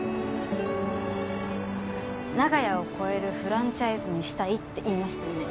長屋を超えるフランチャイズにしたいって言いましたよね。